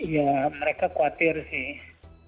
ya mereka khawatir sih